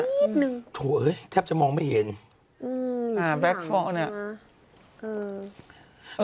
จี๊ดหนึ่งถูกเฮ้ยแทบจะมองไม่เห็นอืมอ่าแบล็คโฟล์เนี่ยอืม